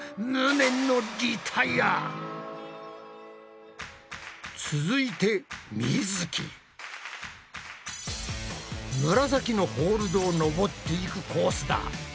紫のホールドを登っていくコースだ。